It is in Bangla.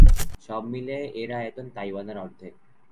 সব মিলিয়ে এর আয়তন তাইওয়ানের অর্ধেক।